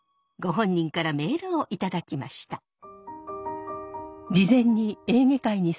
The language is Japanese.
ご本人からメールを頂きました。